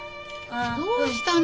どうしたの？